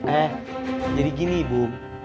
eh jadi gini ibu